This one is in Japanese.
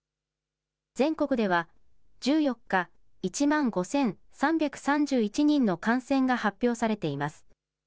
全国では１４日、１万５３３１人の感染が発表されています。